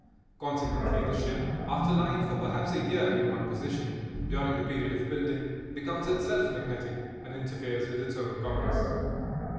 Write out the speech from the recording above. Consequently the ship, after lying for perhaps a year in one position, during the period of building, becomes itself magnetic and interferes with its own compass.